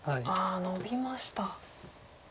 ノビました。